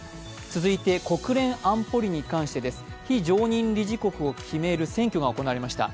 続いて国連安保理に関してです。非常任理事国を決める選挙が行われました。